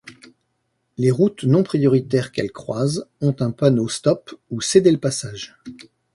Les routes non prioritaires qu'elle croise, ont un panneau stop ou cédez-le-passage.